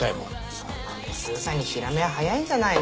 そんなんでスーさんにヒラメは早いんじゃないの？